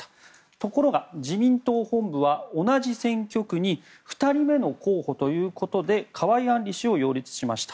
ところが自民党本部は同じ選挙区に２人目の候補ということで河井案里氏を擁立しました。